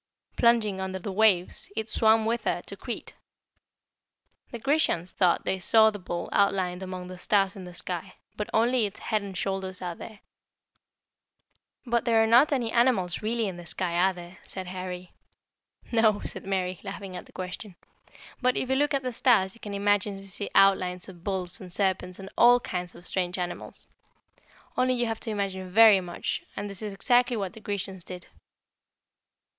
Plunging under the waves, it swam with her to Crete. The Grecians thought they saw the bull outlined among the stars in the sky, but only its head and shoulders are there." [Illustration: THE BULL, AND THE PLEIADES.] "But there are not any animals really in the sky, are there?" said Harry. "No," said Mary, laughing at the question; "but if you look at the stars you can imagine you see outlines of bulls and serpents and all kinds of strange animals. Only you have to imagine very much, and this is exactly what the Grecians did.